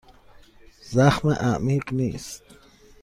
زخم عمیق نیست.